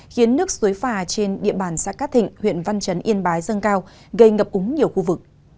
khiến nước suối phà trên địa bàn xã cát thịnh huyện văn chấn yên bái dâng cao gây ngập úng nhiều khu vực